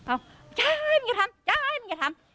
เอ้าจ้ายมันก็ทำจ้ายมันก็ทำ